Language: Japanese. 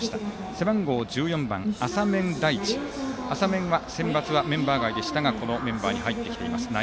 背番号１４の浅面はセンバツはメンバー外でしたがこのメンバーに入ってきています。